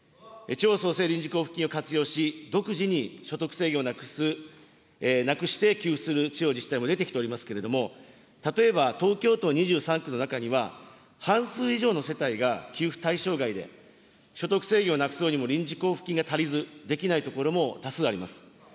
地方創生臨時交付金を独自に所得制限をなくす、なくして給付する地方自治体も出てきておりますけれども、例えば東京都２３区の中には、半数以上の世帯が給付対象外で、所得制限をなくすにも臨時交付金が足りず、できない所も多数あります。